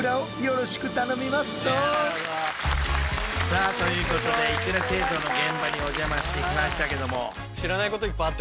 さあということでいくら製造の現場にお邪魔してきましたけども。